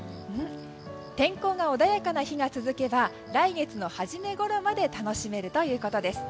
天候が穏やかな日が続けば来月の初めごろまで楽しめるということです。